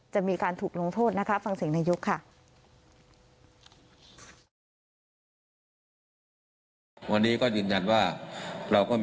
จะมีการถูกโดนโทษฟังเสียงนายุคค่ะ